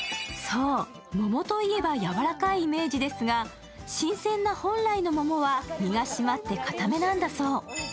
桃といえばやわらかいイメージですが、新鮮な本来の桃は実が締まっててかためなんだそう。